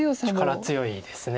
力強いです。